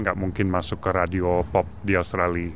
nggak mungkin masuk ke radio pop di australia